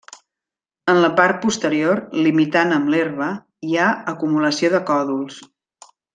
En la part posterior, limitant amb l'herba, hi ha acumulació de còdols.